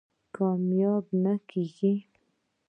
کامیاب نه کېږي.